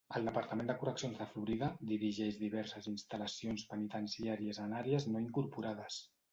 El Departament de Correccions de Florida dirigeix diverses instal·lacions penitenciàries en àrees no incorporades.